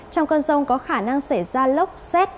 trong cơn rông có khả năng xảy ra lốc xét